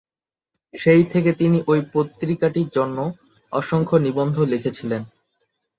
সেই থেকে তিনি ঐ পত্রিকাটির জন্য অসংখ্য নিবন্ধ লিখেছিলেন।